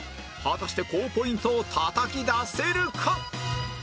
果たして高ポイントをたたき出せるか？